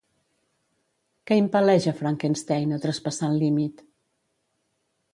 Què impel·leix a Frankenstein a traspassar el límit?